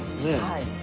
はい。